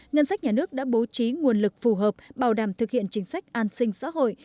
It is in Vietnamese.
ngân sách nhà nước đã bố trí nguồn lực phù hợp bảo đảm thực hiện chính sách an sinh xã hội